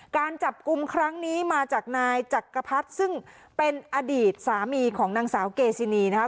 การจับกลุ่มครั้งนี้มาจากนายจักรพรรดิซึ่งเป็นอดีตสามีของนางสาวเกซินีนะคะ